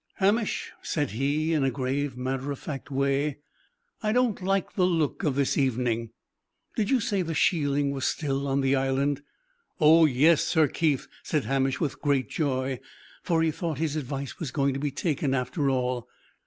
"Hamish," said he, in a grave, matter of fact way, "I don't like the look of this evening. Did you say the sheiling was still on the island?" "Oh yes, Sir Keith," said Hamish, with great joy; for he thought his advice was going to be taken, after all.